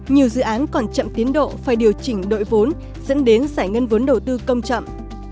nhiều dự án còn chậm tiến độ phải điều chỉnh đội vốn dẫn đến giải ngân vốn đầu tư công chậm